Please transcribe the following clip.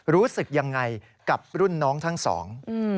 รู้สึกยังไงกับรุ่นน้องทั้งสอง